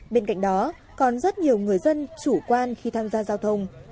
bên cạnh đó còn rất nhiều người dân chủ quan khi tham gia giao thông